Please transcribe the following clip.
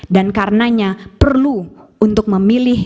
karenanya perlu untuk memilih